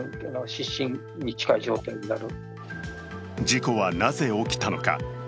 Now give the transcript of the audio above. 事故はなぜ起きたのか。